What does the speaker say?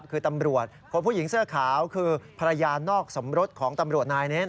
คือตำรวจพบผู้หญิงเสื้อขาวคือภรรยานอกสมรสของตำรวจนายนี้